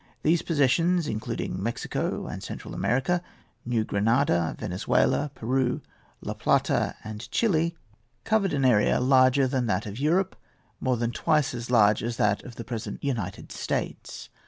These possessions, including Mexico and Central America, New Granada, Venezuela, Peru, La Plata, and Chili, covered an area larger than that of Europe, more than twice as large as that of the present United States.